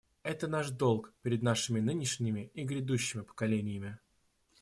Это наш долг перед нашими нынешними и грядущими поколениями.